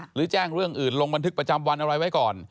หรือแจ้งเรื่องอื่นลงบันทึกประจำวันอะไรไว้ก่อน